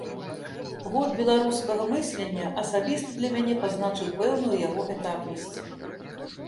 Год беларускага мыслення асабіста для мяне пазначыў пэўную яго этапнасць.